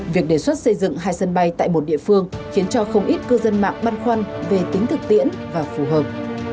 việc đề xuất xây dựng hai sân bay tại một địa phương khiến cho không ít cư dân mạng băn khoăn về tính thực tiễn và phù hợp